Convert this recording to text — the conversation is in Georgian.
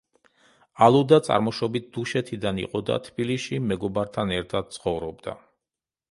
ალუდა წარმოშობით დუშეთიდან იყო და თბილისში მეგობართან ერთად ცხოვრობდა.